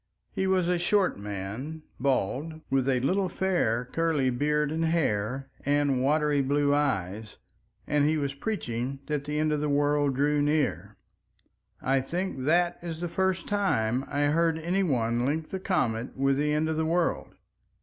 He was a short man, bald, with a little fair curly beard and hair and watery blue eyes, and he was preaching that the end of the world drew near. I think that is the first time I heard any one link the comet with the end of the world.